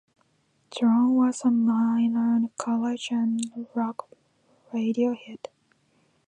"Drown" was a minor college and rock radio hit.